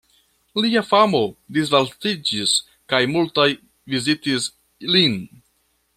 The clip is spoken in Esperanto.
Lia famo disvastiĝis kaj multaj vizitis lin.